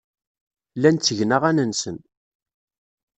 Llan ttgen aɣan-nsen.